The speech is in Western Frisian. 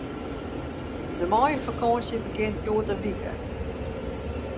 De maaiefakânsje begjint hjoed in wike.